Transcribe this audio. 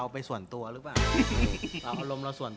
อารมณ์เราส่วนตัวหรือเปล่า